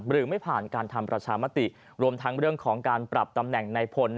หรือไม่ผ่านการทำประชามติรวมทั้งเรื่องของการปรับตำแหน่งในพล